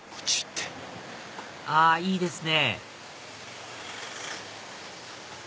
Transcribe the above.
あいいですね！